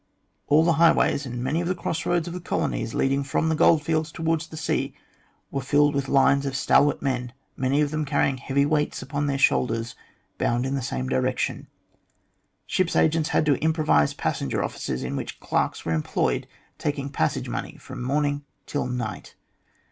All the highways and many of the cross roads of the colonies, leading from the goldfields towards the sea, were filled with lines of stalwart men, many of them carrying heavy weights upon their shoulders, bound in the same direction. Ships' agents had to improvise passenger offices, in which clerks were employed taking passage money from morning till night.